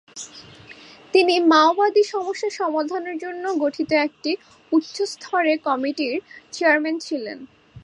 তিনি মাওবাদী সমস্যা সমাধানের জন্য গঠিত একটি উচ্চ-স্তরের কমিটির চেয়ারম্যান ছিলেন।